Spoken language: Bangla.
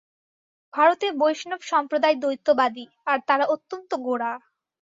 ভারতে বৈষ্ণব সম্প্রদায় দ্বৈতবাদী, আর তারা অত্যন্ত গোঁড়া।